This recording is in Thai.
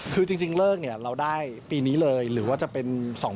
คือจริงเลิกเนี่ยเราได้ปีนี้เลยหรือว่าจะเป็น๒๕๖